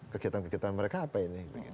kegiatan kegiatan mereka apa ini